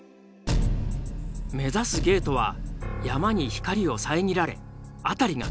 目指すゲートは山に光を遮られ辺りが暗い。